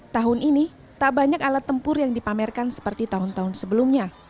tahun ini tak banyak alat tempur yang dipamerkan seperti tahun tahun sebelumnya